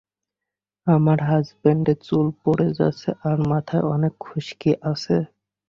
আমার হাজবেন্ডের চুল পরে যাচ্ছে আর মাথায় অনেক খুশকি আছে।